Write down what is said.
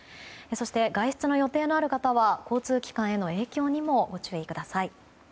そして、外出の予定のある方は交通機関への影響にもご注意ください。